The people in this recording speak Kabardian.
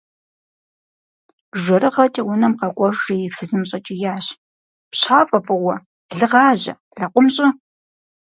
ЖэрыгъэкӀэ унэм къэкӀуэжри и фызым щӀэкӀиящ: - ПщафӀэ фӀыуэ! Лы гъажьэ! Лэкъум щӀы!